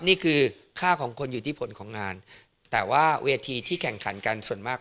นี่คือค่าของคนอยู่ที่ผลของงานแต่ว่าเวทีที่แข่งขันกันส่วนมาก